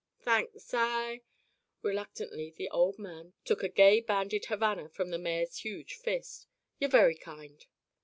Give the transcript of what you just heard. "Thanks. I " reluctantly the old man took a gay banded Havana from the mayor's huge fist. "You're very kind."